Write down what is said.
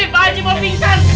pak haji mau pingsan